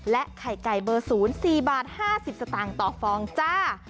ไข่ไก่เบอร์๐๔บาท๕๐สตางค์ต่อฟองจ้า